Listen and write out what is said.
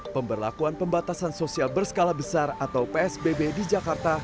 pemberlakuan pembatasan sosial berskala besar atau psbb di jakarta